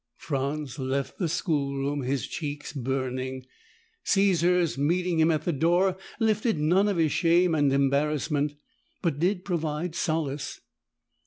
Franz left the schoolroom, his cheeks burning. Caesar's meeting him at the door lifted none of his shame and embarrassment, but did provide solace.